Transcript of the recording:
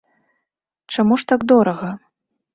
Чаму ж так дорага?